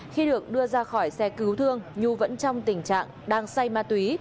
khi được đưa ra khỏi xe cứu thương nhu vẫn trong tình trạng đang say ma túy